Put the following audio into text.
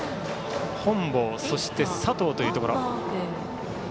本坊、そして佐藤というところ。